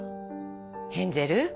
ヘンゼル？